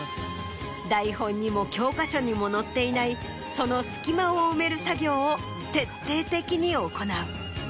台本にも教科書にも載っていないその隙間を埋める作業を徹底的に行う。